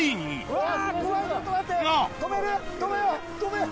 うわ！